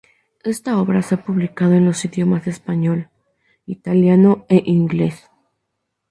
Esta obra se ha publicado en los idiomas Español, Italiano e Ingles.